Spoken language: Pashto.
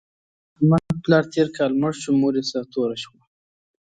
د احمد پلار تېر کال مړ شو، مور یې سرتوره شوه.